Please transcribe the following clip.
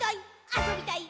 あそびたい！